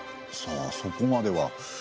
さあそこまでは。